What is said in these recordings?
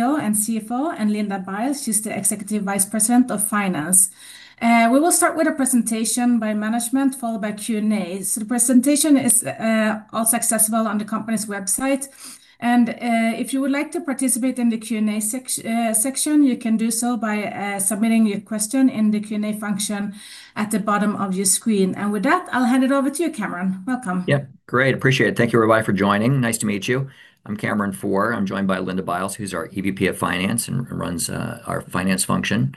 CEO and CFO, and Linda Biles, she's the Executive Vice President of Finance. We will start with a presentation by management, followed by Q&A. So the presentation is also accessible on the company's website. And if you would like to participate in the Q&A section, you can do so by submitting your question in the Q&A function at the bottom of your screen. And with that, I'll hand it over to you, Cameron. Welcome. Yeah, great. Appreciate it. Thank you, everybody, for joining. Nice to meet you. I'm Cameron Pforr. I'm joined by Linda Biles, who's our EVP of Finance and runs our finance function.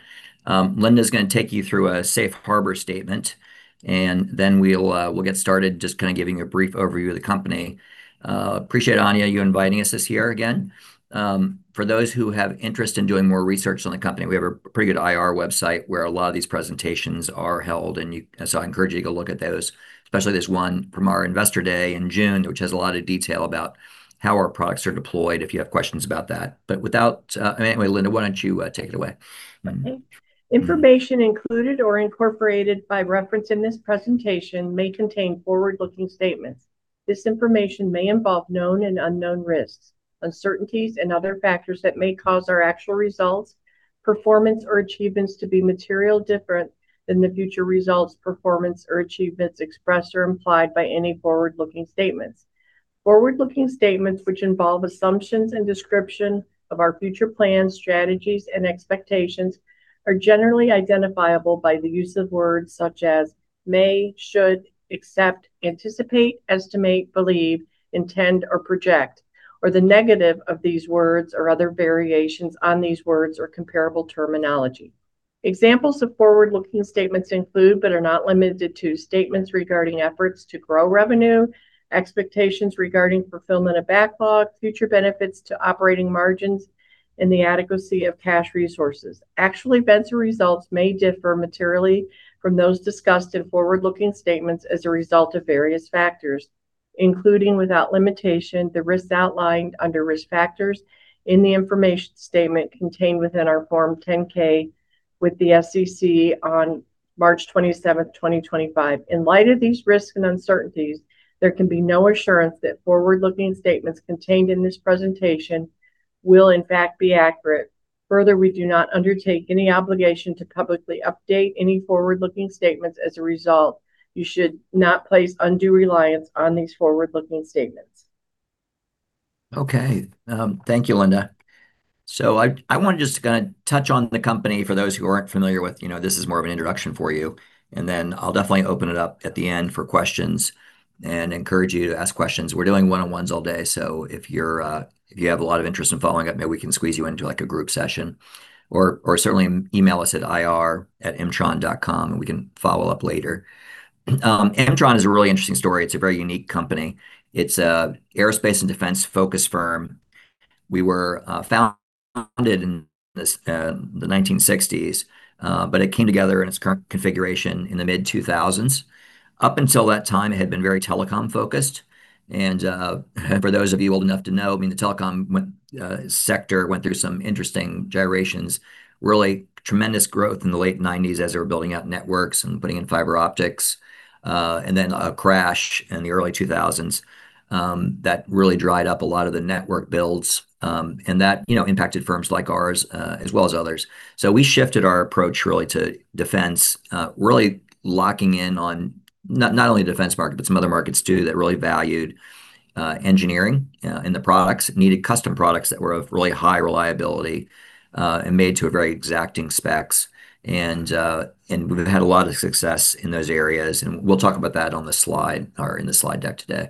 Linda is going to take you through a safe harbor statement, and then we'll get started just kind of giving you a brief overview of the company. Appreciate, Anja, you inviting us this year again. For those who have interest in doing more research on the company, we have a pretty good IR website where a lot of these presentations are held, and so I encourage you to go look at those, especially this one from our Investor Day in June, which has a lot of detail about how our products are deployed, if you have questions about that. But without, anyway, Linda, why don't you take it away? Information included or incorporated by reference in this presentation may contain forward-looking statements. This information may involve known and unknown risks, uncertainties, and other factors that may cause our actual results, performance, or achievements to be materially different than the future results, performance, or achievements expressed or implied by any forward-looking statements. Forward-looking statements, which involve assumptions and description of our future plans, strategies, and expectations, are generally identifiable by the use of words such as may, should, except, anticipate, estimate, believe, intend, or project, or the negative of these words or other variations on these words or comparable terminology. Examples of forward-looking statements include, but are not limited to, statements regarding efforts to grow revenue, expectations regarding fulfillment of backlog, future benefits to operating margins, and the adequacy of cash resources. Actual events or results may differ materially from those discussed in forward-looking statements as a result of various factors, including without limitation, the risks outlined under risk factors in the information statement contained within our Form 10-K with the SEC on March 27, 2025. In light of these risks and uncertainties, there can be no assurance that forward-looking statements contained in this presentation will, in fact, be accurate. Further, we do not undertake any obligation to publicly update any forward-looking statements as a result. You should not place undue reliance on these forward-looking statements. Okay. Thank you, Linda. So I wanted just to kind of touch on the company for those who aren't familiar with, you know, this is more of an introduction for you. And then I'll definitely open it up at the end for questions and encourage you to ask questions. We're doing one-on-one all day. So if you have a lot of interest in following up, maybe we can squeeze you into a group session. Or certainly email us at ir@mtron.com, and we can follow up later. Mtron is a really interesting story. It's a very unique company. It's an aerospace and defense-focused firm. We were founded in the 1960s, but it came together in its current configuration in the mid-2000s. Up until that time, it had been very telecom-focused. For those of you old enough to know, I mean, the telecom sector went through some interesting gyrations, really tremendous growth in the late 1990s as they were building out networks and putting in fiber optics, and then a crash in the early 2000s that really dried up a lot of the network builds, and that impacted firms like ours, as well as others, so we shifted our approach really to defense, really locking in on not only the defense market, but some other markets too that really valued engineering in the products, needed custom products that were of really high reliability and made to very exacting specs, and we've had a lot of success in those areas, and we'll talk about that on the slide or in the slide deck today.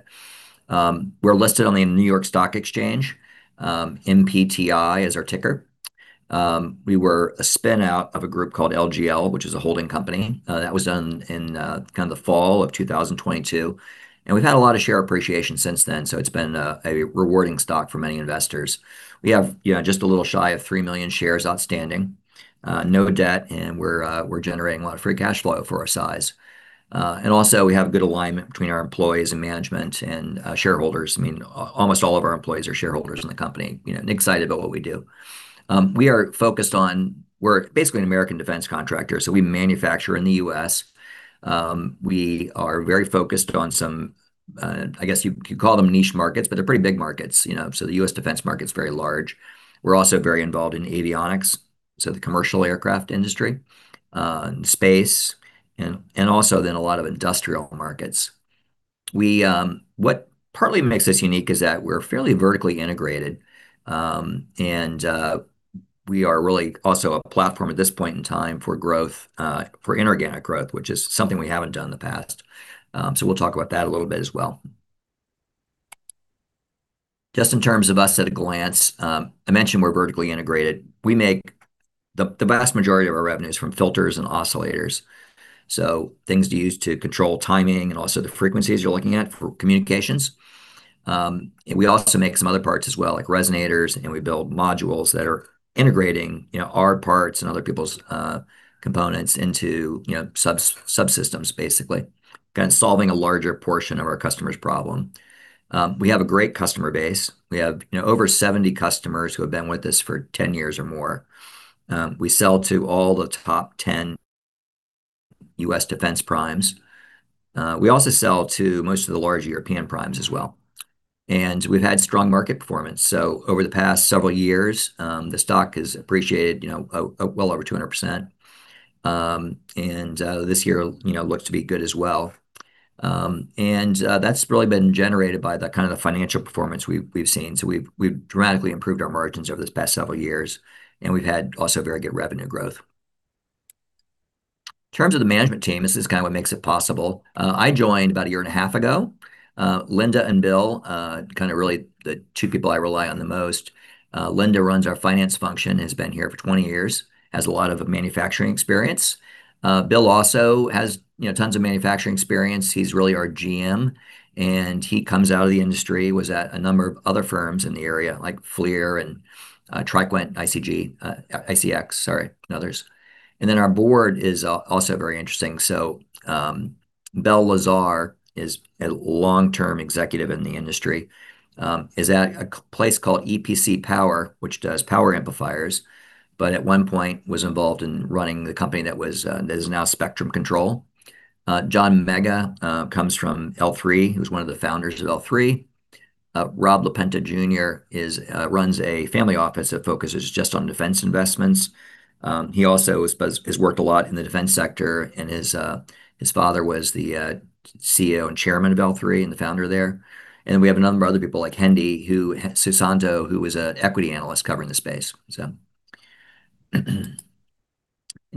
We're listed on the New York Stock Exchange. MPTI is our ticker. We were a spinout of a group called LGL, which is a holding company. That was done in kind of the fall of 2022. And we've had a lot of share appreciation since then. So it's been a rewarding stock for many investors. We have just a little shy of three million shares outstanding, no debt, and we're generating a lot of free cash flow for our size. And also, we have good alignment between our employees and management and shareholders. I mean, almost all of our employees are shareholders in the company. Excited about what we do. We are focused on, we're basically an American defense contractor, so we manufacture in the U.S. We are very focused on some, I guess you call them niche markets, but they're pretty big markets. So the U.S. defense market's very large. We're also very involved in avionics, so the commercial aircraft industry, space, and also then a lot of industrial markets. What partly makes us unique is that we're fairly vertically integrated, and we are really also a platform at this point in time for growth, for inorganic growth, which is something we haven't done in the past. So we'll talk about that a little bit as well. Just in terms of us at a glance, I mentioned we're vertically integrated. We make the vast majority of our revenues from filters and oscillators, so things used to control timing and also the frequencies you're looking at for communications. And we also make some other parts as well, like resonators, and we build modules that are integrating our parts and other people's components into subsystems, basically, kind of solving a larger portion of our customer's problem. We have a great customer base. We have over 70 customers who have been with us for 10 years or more. We sell to all the top 10 U.S. defense primes. We also sell to most of the large European primes as well. And we've had strong market performance. So over the past several years, the stock has appreciated well over 200%. And this year looks to be good as well. And that's really been generated by the kind of financial performance we've seen. So we've dramatically improved our margins over the past several years, and we've had also very good revenue growth. In terms of the management team, this is kind of what makes it possible. I joined about a year and a half ago. Linda and Bill, kind of really the two people I rely on the most. Linda runs our finance function, has been here for 20 years, has a lot of manufacturing experience. Bill also has tons of manufacturing experience. He's really our GM, and he comes out of the industry, was at a number of other firms in the area, like FLIR and TriQuint, ICx, sorry, and others. And then our board is also very interesting. So Bel Lazar is a long-term executive in the industry, is at a place called EPC Power, which does power amplifiers, but at one point was involved in running the company that is now Spectrum Control. John Mega comes from L3. He was one of the founders of L3. Rob LaPenta Jr. runs a family office that focuses just on defense investments. He also has worked a lot in the defense sector, and his father was the CEO and chairman of L3 and the founder there. And then we have a number of other people like Hendi Susanto, who is an equity analyst covering the space. So in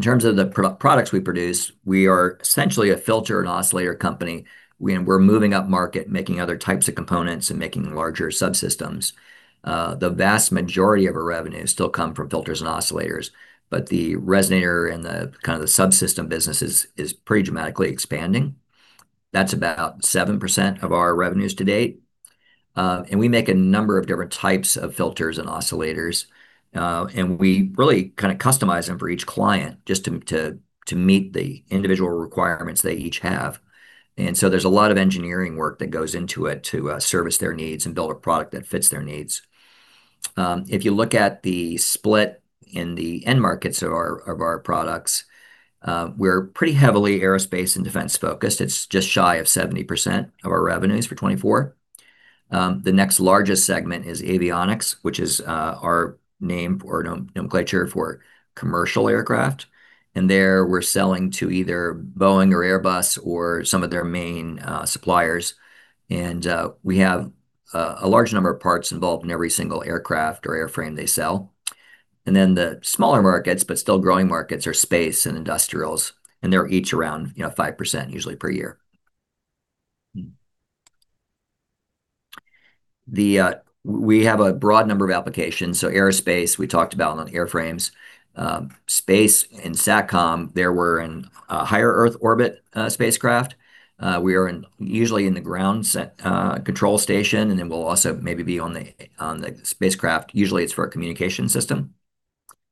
terms of the products we produce, we are essentially a filter and oscillator company. We're moving up market, making other types of components and making larger subsystems. The vast majority of our revenues still come from filters and oscillators, but the resonator and the kind of the subsystem business is pretty dramatically expanding. That's about 7% of our revenues-to-date. And we make a number of different types of filters and oscillators, and we really kind of customize them for each client just to meet the individual requirements they each have. And so there's a lot of engineering work that goes into it to service their needs and build a product that fits their needs. If you look at the split in the end markets of our products, we're pretty heavily aerospace and defense-focused. It's just shy of 70% of our revenues for 2024. The next largest segment is avionics, which is our name or nomenclature for commercial aircraft. And there we're selling to either Boeing or Airbus or some of their main suppliers. And we have a large number of parts involved in every single aircraft or airframe they sell. And then the smaller markets, but still growing markets, are space and industrials. And they're each around 5% usually per year. We have a broad number of applications. So aerospace, we talked about on airframes. Space and SatCom, they're in high Earth orbit spacecraft. We are usually in the ground control station, and then we'll also maybe be on the spacecraft. Usually, it's for a communication system.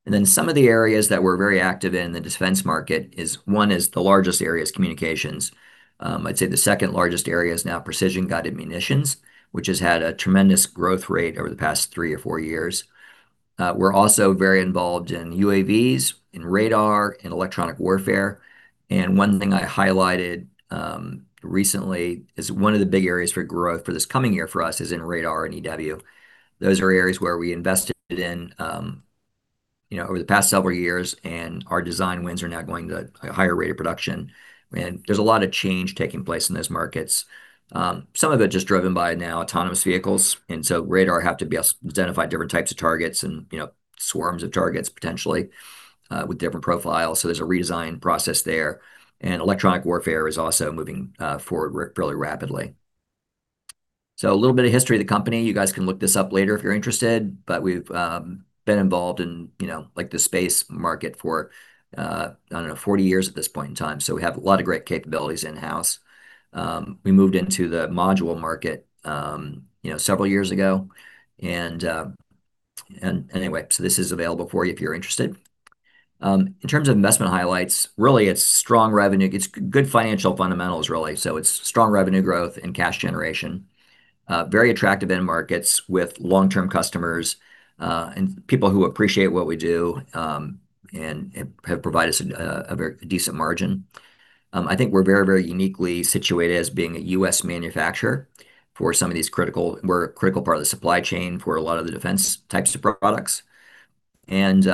And then, some of the areas that we're very active in the defense market is one is the largest area is communications. I'd say the second largest area is now precision-guided munitions, which has had a tremendous growth rate over the past three or four years. We're also very involved in UAVs, in radar, in electronic warfare. And one thing I highlighted recently is one of the big areas for growth for this coming year for us is in radar and EW. Those are areas where we invested in over the past several years, and our design wins are now going to a higher rate of production. And there's a lot of change taking place in those markets, some of it just driven by now autonomous vehicles. And so radar have to identify different types of targets and swarms of targets potentially with different profiles. So there's a redesign process there. And electronic warfare is also moving forward really rapidly. So a little bit of history of the company. You guys can look this up later if you're interested, but we've been involved in the space market for, I don't know, 40 years at this point in time. So we have a lot of great capabilities in-house. We moved into the module market several years ago. And anyway, so this is available for you if you're interested. In terms of investment highlights, really, it's strong revenue. It's good financial fundamentals, really. So it's strong revenue growth and cash generation, very attractive end markets with long-term customers and people who appreciate what we do and have provided us a very decent margin. I think we're very, very uniquely situated as being a U.S. manufacturer for some of these critical. We're a critical part of the supply chain for a lot of the defense types of products, and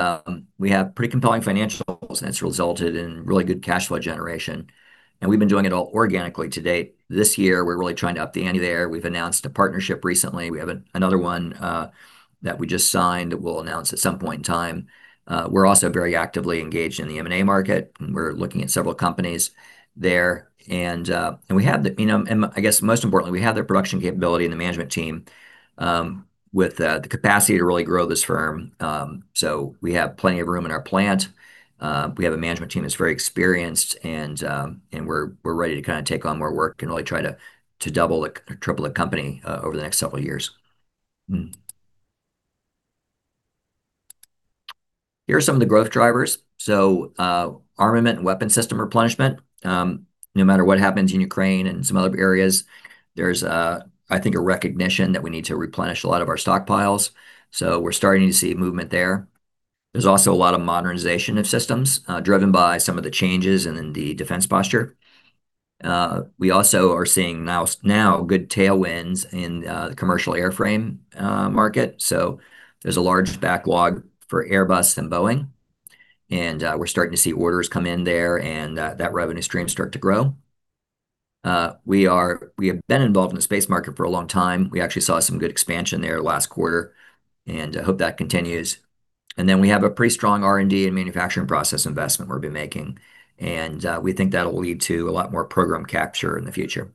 we have pretty compelling financials, and that's resulted in really good cash flow generation, and we've been doing it all organically to date. This year, we're really trying to up the ante there. We've announced a partnership recently. We have another one that we just signed that we'll announce at some point in time. We're also very actively engaged in the M&A market, and we're looking at several companies there, and we have, I guess, most importantly, we have their production capability and the management team with the capacity to really grow this firm, so we have plenty of room in our plant. We have a management team that's very experienced, and we're ready to kind of take on more work and really try to double or triple the company over the next several years. Here are some of the growth drivers, so armament and weapon system replenishment. No matter what happens in Ukraine and some other areas, there's, I think, a recognition that we need to replenish a lot of our stockpiles, so we're starting to see movement there. There's also a lot of modernization of systems driven by some of the changes in the defense posture. We also are seeing now good tailwinds in the commercial airframe market, so there's a large backlog for Airbus and Boeing, and we're starting to see orders come in there and that revenue stream start to grow. We have been involved in the space market for a long time. We actually saw some good expansion there last quarter and hope that continues, and then we have a pretty strong R&D and manufacturing process investment we've been making, and we think that'll lead to a lot more program capture in the future.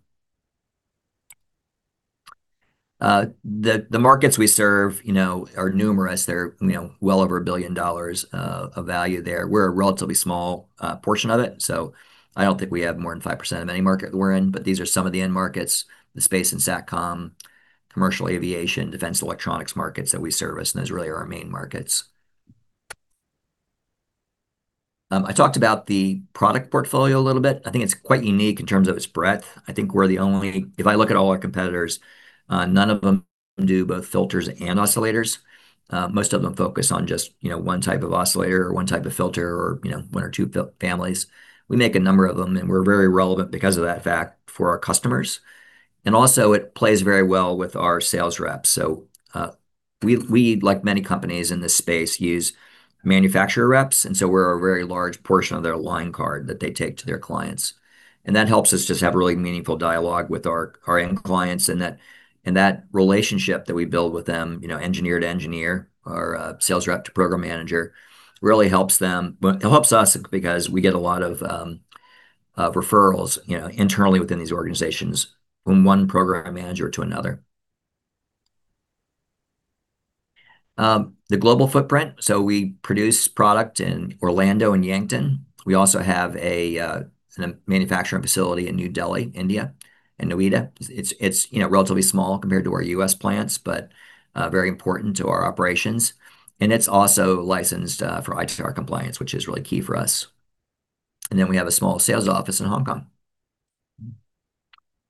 The markets we serve are numerous. They're well over $1 billion of value there. We're a relatively small portion of it. So I don't think we have more than 5% of any market that we're in, but these are some of the end markets, the space and satcom, commercial aviation, defense electronics markets that we service, and those really are our main markets. I talked about the product portfolio a little bit. I think it's quite unique in terms of its breadth. I think we're the only, if I look at all our competitors, none of them do both filters and oscillators. Most of them focus on just one type of oscillator or one type of filter or one or two families. We make a number of them, and we're very relevant because of that fact for our customers. And also, it plays very well with our sales reps. So we, like many companies in this space, use manufacturer reps. And so we're a very large portion of their line card that they take to their clients. And that helps us just have a really meaningful dialogue with our end clients. And that relationship that we build with them, engineer to engineer or sales rep to program manager, really helps us because we get a lot of referrals internally within these organizations from one program manager to another. The global footprint. So we produce product in Orlando and Yankton. We also have a manufacturing facility in New Delhi, India, and Noida. It's relatively small compared to our U.S. plants, but very important to our operations, and it's also licensed for ITAR compliance, which is really key for us, and then we have a small sales office in Hong Kong.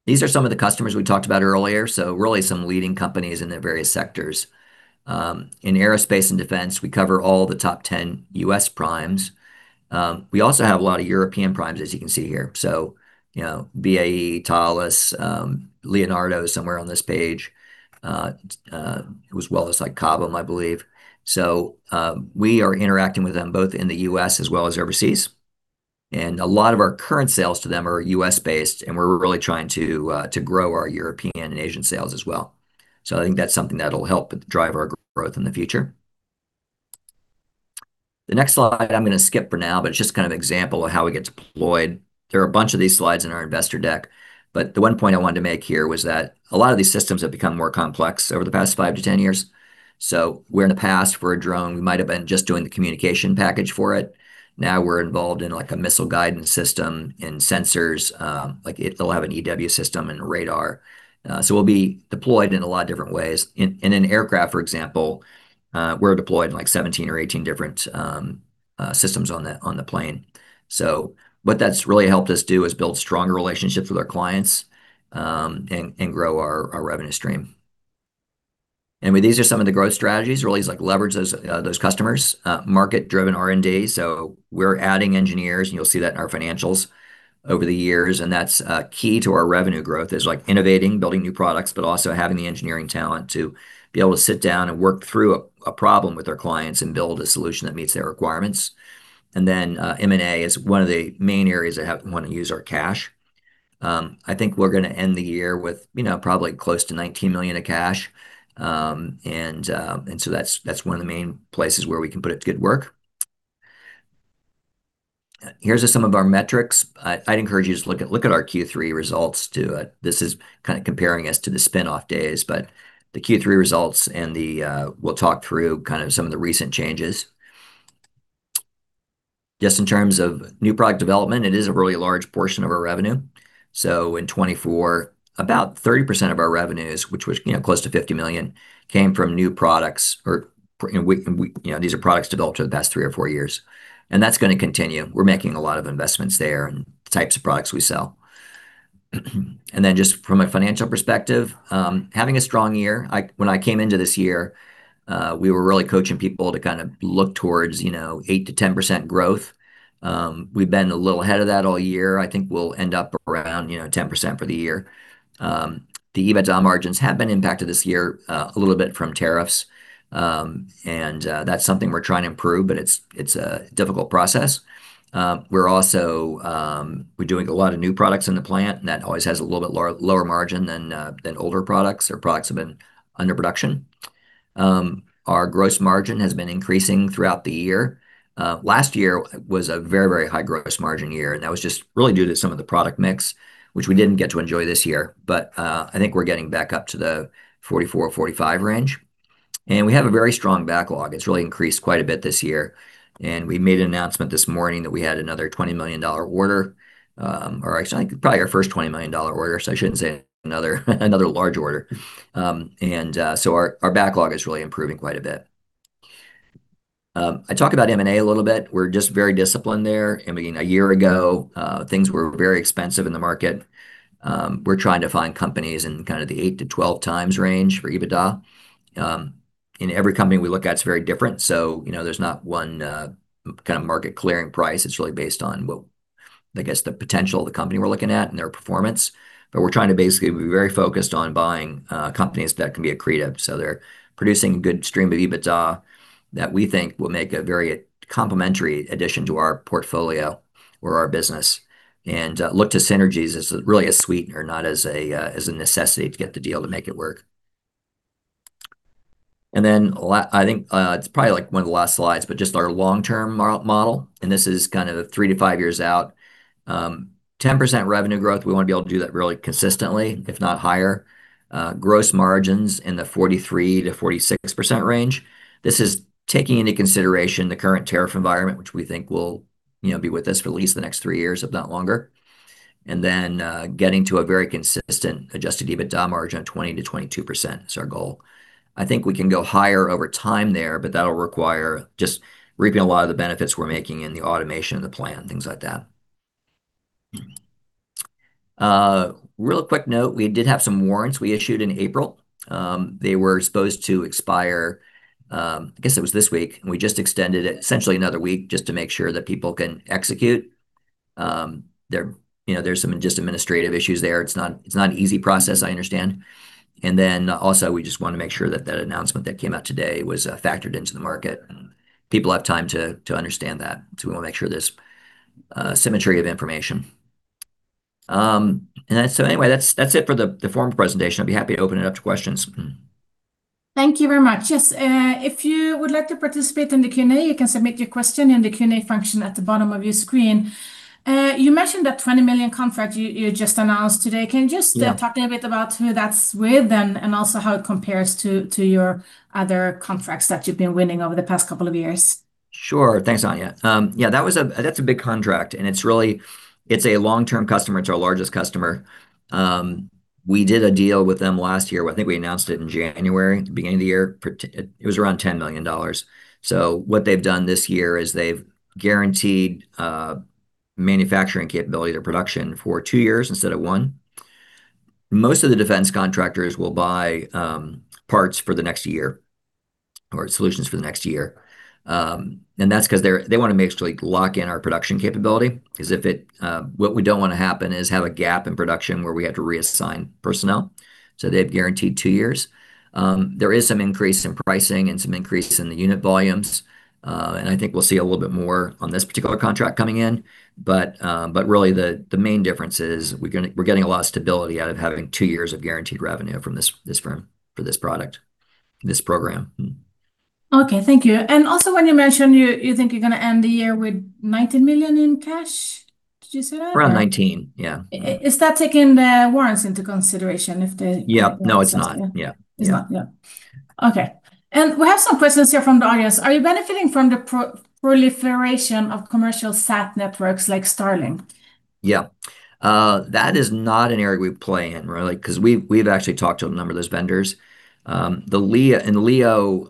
These are some of the customers we talked about earlier, so really some leading companies in the various sectors. In aerospace and defense, we cover all the top 10 U.S. primes. We also have a lot of European primes, as you can see here, so BAE, Thales, Leonardo is somewhere on this page, as well as, like, Cobham, I believe, so we are interacting with them both in the U.S. as well as overseas, and a lot of our current sales to them are U.S.-based, and we're really trying to grow our European and Asian sales as well, so I think that's something that'll help drive our growth in the future. The next slide I'm going to skip for now, but it's just kind of an example of how we get deployed. There are a bunch of these slides in our investor deck. But the one point I wanted to make here was that a lot of these systems have become more complex over the past five to 10 years. So where in the past for a drone, we might have been just doing the communication package for it. Now we're involved in a missile guidance system and sensors. They'll have an EW system and radar. So we'll be deployed in a lot of different ways. In an aircraft, for example, we're deployed in like 17 or 18 different systems on the plane. So what that's really helped us do is build stronger relationships with our clients and grow our revenue stream. These are some of the growth strategies to really leverage those customers and market-driven R&D. We're adding engineers, and you'll see that in our financials over the years. That's key to our revenue growth: innovating, building new products, but also having the engineering talent to be able to sit down and work through a problem with our clients and build a solution that meets their requirements. Then M&A is one of the main areas that we want to use our cash for. I think we're going to end the year with probably close to $19 million of cash. That's one of the main places where we can put good work. Here are some of our metrics. I'd encourage you to look at our Q3 results too. This is kind of comparing us to the spinoff days, but the Q3 results and we'll talk through kind of some of the recent changes. Just in terms of new product development, it is a really large portion of our revenue. So in 2024, about 30% of our revenues, which was close to $50 million, came from new products. These are products developed over the past three or four years, and that's going to continue. We're making a lot of investments there and types of products we sell, and then just from a financial perspective, having a strong year. When I came into this year, we were really coaching people to kind of look towards 8%-10% growth. We've been a little ahead of that all year. I think we'll end up around 10% for the year. The EBITDA margins have been impacted this year a little bit from tariffs. And that's something we're trying to improve, but it's a difficult process. We're doing a lot of new products in the plant, and that always has a little bit lower margin than older products or products have been under production. Our gross margin has been increasing throughout the year. Last year was a very, very high gross margin year, and that was just really due to some of the product mix, which we didn't get to enjoy this year. But I think we're getting back up to the 44, 45 range. And we have a very strong backlog. It's really increased quite a bit this year. And we made an announcement this morning that we had another $20 million order, or I think probably our first $20 million order. So I shouldn't say another large order. And so our backlog is really improving quite a bit. I talked about M&A a little bit. We're just very disciplined there. I mean, a year ago, things were very expensive in the market. We're trying to find companies in kind of the eight to 12 times range for EBITDA. In every company we look at, it's very different. So there's not one kind of market clearing price. It's really based on, I guess, the potential of the company we're looking at and their performance. But we're trying to basically be very focused on buying companies that can be accretive. So they're producing a good stream of EBITDA that we think will make a very complementary addition to our portfolio or our business. And look to synergies as really a sweetener, not as a necessity to get the deal to make it work. And then I think it's probably like one of the last slides, but just our long-term model. And this is kind of three to five years out. 10% revenue growth, we want to be able to do that really consistently, if not higher. Gross margins in the 43%-46% range. This is taking into consideration the current tariff environment, which we think will be with us for at least the next three years, if not longer. And then getting to a very consistent adjusted EBITDA margin of 20%-22% is our goal. I think we can go higher over time there, but that'll require just reaping a lot of the benefits we're making in the automation of the plant, things like that. Real quick note, we did have some warrants we issued in April. They were supposed to expire, I guess it was this week. We just extended it essentially another week just to make sure that people can execute. There's some just administrative issues there. It's not an easy process, I understand. And then also, we just want to make sure that that announcement that came out today was factored into the market. People have time to understand that. So we want to make sure there's symmetry of information. And so anyway, that's it for the formal presentation. I'd be happy to open it up to questions. Thank you very much. Yes. If you would like to participate in the Q&A, you can submit your question in the Q&A function at the bottom of your screen. You mentioned that $20 million contract you just announced today. Can you just talk a little bit about who that's with and also how it compares to your other contracts that you've been winning over the past couple of years? Sure. Thanks, Anja. Yeah, that's a big contract. And it's a long-term customer. It's our largest customer. We did a deal with them last year. I think we announced it in January, the beginning of the year. It was around $10 million. So what they've done this year is they've guaranteed manufacturing capability to production for two years instead of one. Most of the defense contractors will buy parts for the next year or solutions for the next year. And that's because they want to make sure they lock in our production capability. Because what we don't want to happen is have a gap in production where we have to reassign personnel. So they've guaranteed two years. There is some increase in pricing and some increase in the unit volumes. And I think we'll see a little bit more on this particular contract coming in. But really, the main difference is we're getting a lot of stability out of having two years of guaranteed revenue from this firm for this product, this program. Okay. Thank you. And also, when you mentioned you think you're going to end the year with $19 million in cash, did you say that? Around $19 million, yeah. Is that taking the warrants into consideration if they? Yeah. No, it's not. Yeah. It's not. Yeah. Okay. And we have some questions here from the audience. Are you benefiting from the commercial sat networks like starlink? Yeah. That is not an area we play in, really, because we've actually talked to a number of those vendors. The LEO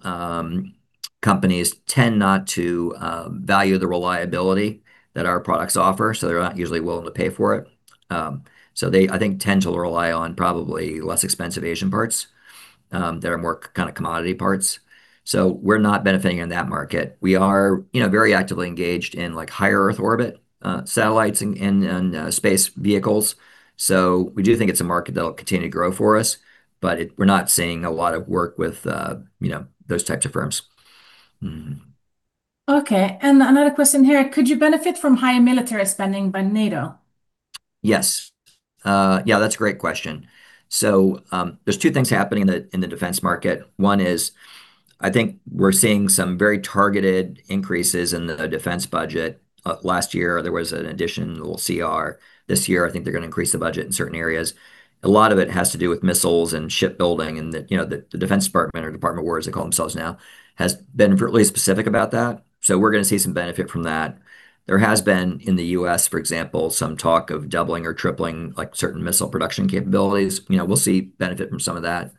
companies tend not to value the reliability that our products offer, so they're not usually willing to pay for it, so I think they tend to rely on probably less expensive Asian parts that are more kind of commodity parts, so we're not benefiting in that market. We are very actively engaged in high Earth orbit satellites and space vehicles, so we do think it's a market that'll continue to grow for us, but we're not seeing a lot of work with those types of firms. Okay, and another question here. Could you benefit from higher military spending by NATO? Yes. Yeah, that's a great question, so there's two things happening in the defense market. One is I think we're seeing some very targeted increases in the defense budget. Last year, there was an addition, a little CR. This year, I think they're going to increase the budget in certain areas. A lot of it has to do with missiles and shipbuilding, and the Defense Department or Department of War, they call themselves now, has been really specific about that, so we're going to see some benefit from that. There has been in the U.S., for example, some talk of doubling or tripling certain missile production capabilities. We'll see benefit from some of that.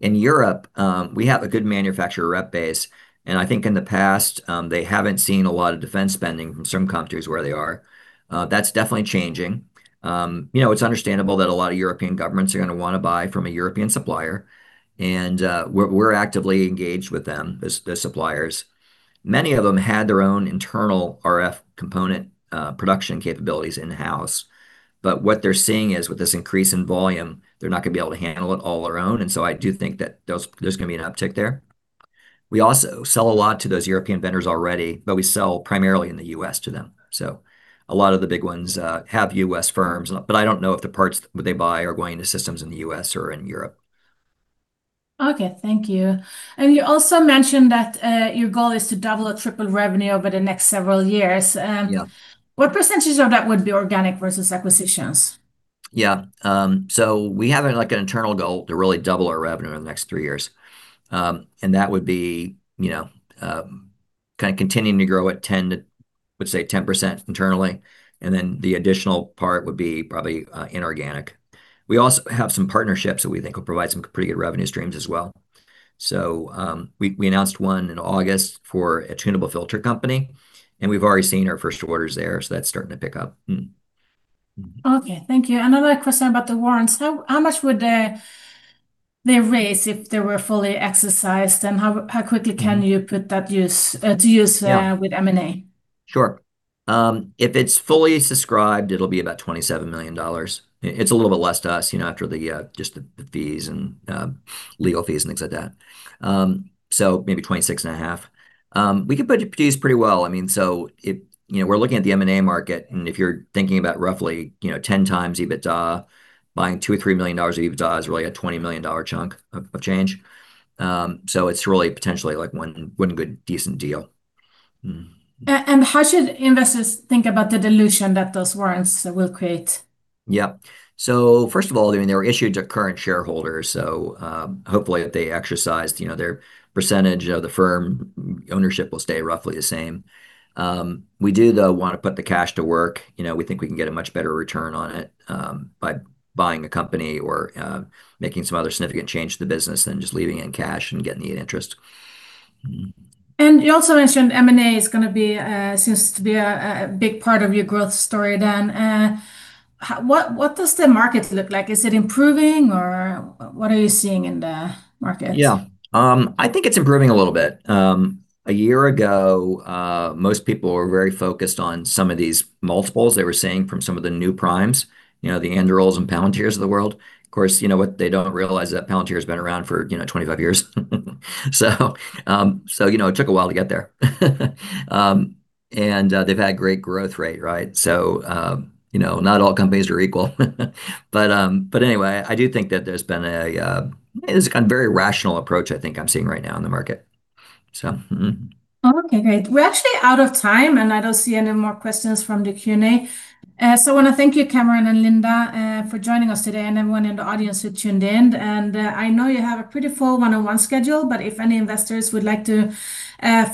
In Europe, we have a good manufacturer rep base, and I think in the past, they haven't seen a lot of defense spending from some countries where they are. That's definitely changing. It's understandable that a lot of European governments are going to want to buy from a European supplier, and we're actively engaged with them as suppliers. Many of them had their own internal RF component production capabilities in-house. But what they're seeing is with this increase in volume, they're not going to be able to handle it all on their own. And so I do think that there's going to be an uptick there. We also sell a lot to those European vendors already, but we sell primarily in the U.S. to them. So a lot of the big ones have U.S. firms, but I don't know if the parts that they buy are going to systems in the U.S. or in Europe. Okay. Thank you. And you also mentioned that your goal is to double or triple revenue over the next several years. What percentage of that would be organic versus acquisitions? Yeah. So we have an internal goal to really double our revenue in the next three years. And that would be kind of continuing to grow at 10% to, I would say, 10% internally. And then the additional part would be probably inorganic. We also have some partnerships that we think will provide some pretty good revenue streams as well. So we announced one in August for a tunable filter company. And we've already seen our first orders there. So that's starting to pick up. Okay. Thank you. Another question about the warrants. How much would they raise if they were fully exercised? And how quickly can you put that to use with M&A? Sure. If it's fully subscribed, it'll be about $27 million. It's a little bit less to us after just the fees and legal fees and things like that. So maybe $26.5 million. We can put it to use pretty well. I mean, so we're looking at the M&A market. And if you're thinking about roughly 10 times EBITDA, buying $2 million or $3 million of EBITDA is really a $20 million chunk of change. So it's really potentially one good decent deal. And how should investors think about the dilution that those warrants will create? Yeah. So first of all, I mean, they were issued to current shareholders. So hopefully, if they exercised their percentage of the firm, ownership will stay roughly the same. We do, though, want to put the cash to work. We think we can get a much better return on it by buying a company or making some other significant change to the business than just leaving it in cash and getting the interest. And you also mentioned M&A is going to seem to be a big part of your growth story then. What does the market look like? Is it improving, or what are you seeing in the market? Yeah. I think it's improving a little bit. A year ago, most people were very focused on some of these multiples they were seeing from some of the new primes, the Anduril and Palantir of the world. Of course, you know what? They don't realize that Palantir has been around for 25 years. So it took a while to get there. And they've had great growth rate, right? So not all companies are equal. But anyway, I do think that there's been a very rational approach, I think, I'm seeing right now in the market. So. Okay. Great. We're actually out of time, and I don't see any more questions from the Q&A. So I want to thank you, Cameron and Linda, for joining us today, and everyone in the audience who tuned in. I know you have a pretty full one-on-one schedule, but if any investors would like to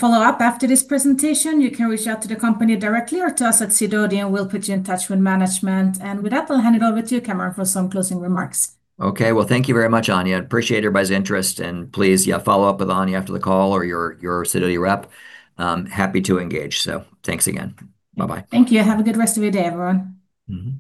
follow up after this presentation, you can reach out to the company directly or to us at Sidoti, and we'll put you in touch with management. With that, I'll hand it over to you, Cameron, for some closing remarks. Okay. Thank you very much, Anja. Appreciate everybody's interest. Please, yeah, follow up with Anja after the call or your Sidoti rep. Happy to engage. Thanks again. Bye-bye. Thank you. Have a good rest of your day, everyone.